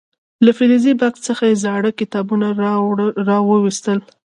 له فلزي بکس څخه یې زاړه کتابونه راو ویستل.